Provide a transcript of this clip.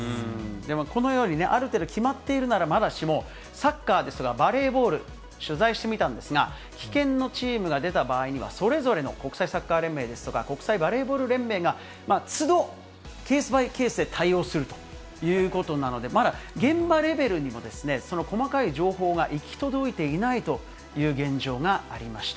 でも、このようにね、ある程度決まっているならまだしも、サッカーですとか、バレーボール、取材してみたんですが、棄権のチームが出た場合には、それぞれの国際サッカー連盟ですとか、国際バレーボール連盟がつど、ケースバイケースで対応するということなので、まだ現場レベルにもその細かい情報が行き届いていないという現状がありました。